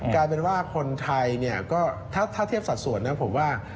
การเป็นว่าคนไทยก็เท่าเทียบสัดส่วนนะผมว่า